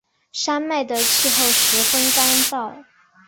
山脉的气候十分干燥。